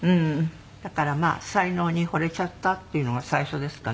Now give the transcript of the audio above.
だからまあ才能にほれちゃったっていうのが最初ですかね。